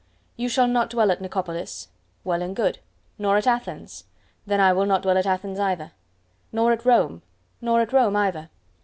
"You shall not dwell at Nicopolis!" Well and good. "Nor at Athens." Then I will not dwell at Athens either. "Nor at Rome." Nor at Rome either.